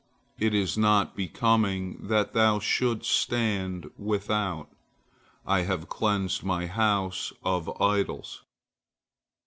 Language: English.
It is not becoming that thou shouldst stand without, I have cleansed my house of idols."